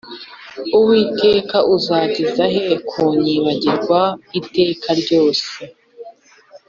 Uwiteka uzageza he kunyibagirwa iteka ryose